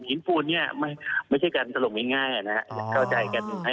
หญิงฟูลนี้ไม่ใช่การสลงง่าย